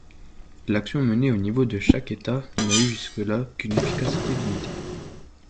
L’action menée au niveau de chaque État n’a eu jusque-là qu’une efficacité limitée.